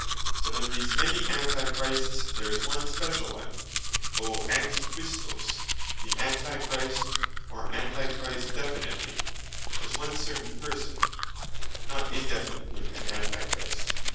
But of these many Antichrists, there is one speciall one, O Antichristos, The Antichrist, or Antichrist definitely, as one certaine person; not indefinitely An Antichrist.